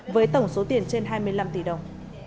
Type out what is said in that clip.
với tổng số tiền trên hai mươi năm tỷ đồng